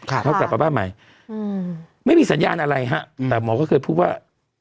เขากลับมาบ้านใหม่ไม่มีสัญญาณอะไรฮะแต่หมอก็เคยพูดว่า